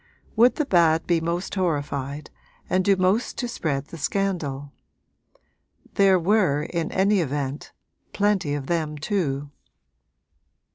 Would the bad be most horrified and do most to spread the scandal? There were, in any event, plenty of them too.